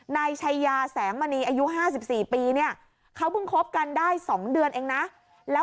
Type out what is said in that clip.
นายชายาแสหมณีอายุ๕๔ปีเขาก็พึ่งครบกันได้๒เดือนเองนะ